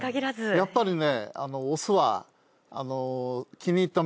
やっぱりね。